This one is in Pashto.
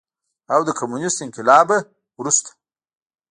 او د کميونسټ انقلاب نه وروستو